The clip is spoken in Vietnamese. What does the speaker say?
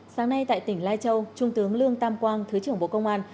sáng nay tại tỉnh lai châu trung tướng lương tam quang thứ trưởng bộ công an